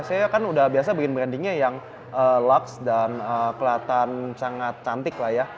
saya kan udah biasa bikin brandingnya yang lux dan kelihatan sangat cantik lah ya